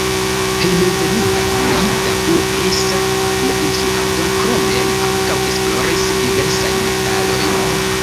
Hejmenveninta li daŭris la instruadon, krome li ankaŭ esploris diversajn metalojn.